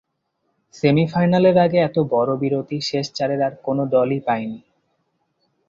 সেমিফাইনালের আগে এত বড় বিরতি শেষ চারের আর কোনো দলই পায়নি।